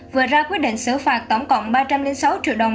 vừa ra quyết định xử phạt tổng cộng ba trăm linh sáu triệu đồng